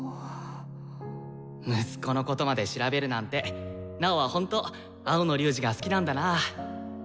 息子のことまで調べるなんてナオはほんと青野龍仁が好きなんだな。